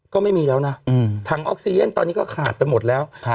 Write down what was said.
ก็ไม่มีแล้วนะถังออกซีเย็นตอนนี้ก็ขาดไปหมดแล้ว